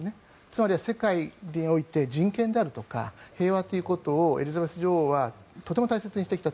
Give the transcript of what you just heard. つまり、世界において人権であるとか平和ということをエリザベス女王はとても大切にしてきた。